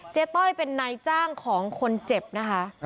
ต้อยเป็นนายจ้างของคนเจ็บนะคะ